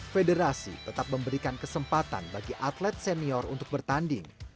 federasi tetap memberikan kesempatan bagi atlet senior untuk bertanding